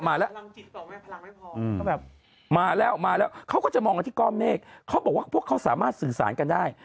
มาแล้วแบบมาแล้วออกมาแล้วเขาก็จะมองกันที่ก้อนเมฆเขาบอกว่าพวกเขาสามารถสื่อสารกันได้